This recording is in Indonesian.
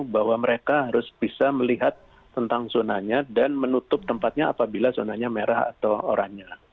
bahwa mereka harus bisa melihat tentang zonanya dan menutup tempatnya apabila zonanya merah atau oranye